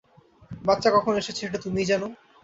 বাচ্চা কখন এসেছে সেটা তুমিই জান।